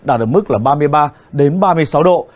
đạt ở mức là ba mươi ba ba mươi sáu độ